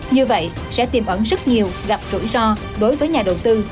như vậy sẽ tiềm ẩn rất nhiều gặp rủi ro đối với nhà đầu tư